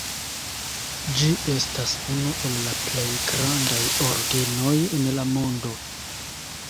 Ĝi estas unu el la plej grandaj orgenoj en la mondo.